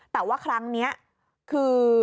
แต่ว่าครั้งนี้คือ